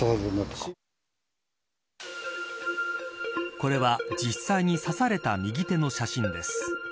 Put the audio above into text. これは実際に刺された右手の写真です。